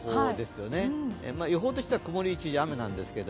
よほうとしては曇り一日中、雨なんですけど。